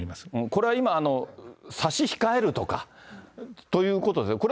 これは今、差し控えるとか、ということですよね。